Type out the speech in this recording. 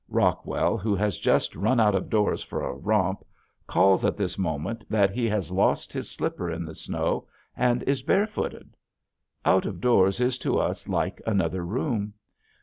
Rockwell, who has just run out of doors for a romp, calls at this moment that he has lost his slipper in the snow and is barefooted. Out of doors is to us like another room.